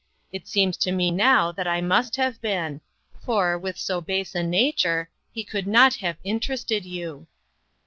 It seems to me now that I must have been ; for, with so base a nature, he could not have interested you.